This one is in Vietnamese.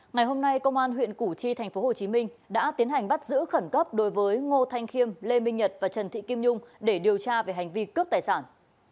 ngày hôm nay công an huyện củ chi tp hcm đã tiến hành bắt giữ khẩn cấp đối với ngô thanh khiêm lê minh nhật và trần thị kim nhung để điều tra về hành vi cướp tài sản